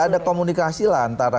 ada komunikasi lah antara